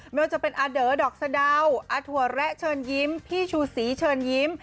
ไม่ว่าจะเป็นอาเด๋อดอกสะดาวอาถั่วแระเชิญยิ้มพี่ชูศรีเชิญยิ้ม